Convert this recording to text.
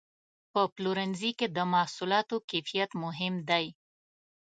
په پلورنځي کې د محصولاتو کیفیت مهم دی.